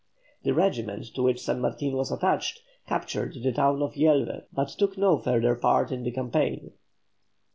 The regiment to which San Martin was attached, captured the town of Yelves, but took no further part in the campaign.